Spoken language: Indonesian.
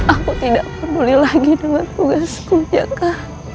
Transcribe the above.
aku tidak perlu lagi dengan tugasku jaka